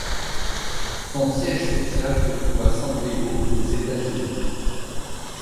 Son siège social se trouve à San Diego aux États-Unis.